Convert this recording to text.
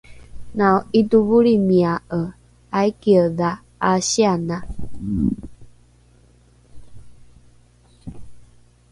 nao’itovolrimia’e aikiedha ’asiana?